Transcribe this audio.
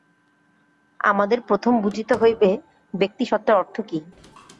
আমাদের প্রথম বুঝিতে হইবে ব্যক্তি-সত্তার অর্থ কি।